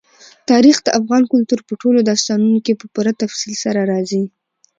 تاریخ د افغان کلتور په ټولو داستانونو کې په پوره تفصیل سره راځي.